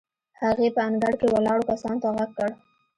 هغې په انګړ کې ولاړو کسانو ته غږ کړ.